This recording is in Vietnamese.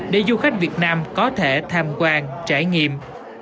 để du khách việt nam có thể tham quan trải nghiệm